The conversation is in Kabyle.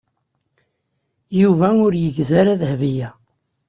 Yuba ur yegzi ara Dahbiya.